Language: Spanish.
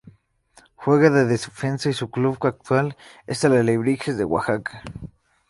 Juega de Defensa y su club actual es el Alebrijes de Oaxaca.